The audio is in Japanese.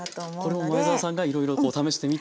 これも前沢さんがいろいろ試してみて？